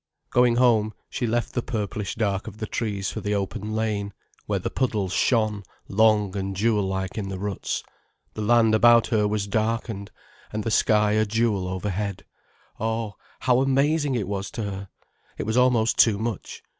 Going home, she left the purplish dark of the trees for the open lane, where the puddles shone long and jewel like in the ruts, the land about her was darkened, and the sky a jewel overhead. Oh, how amazing it was to her! It was almost too much.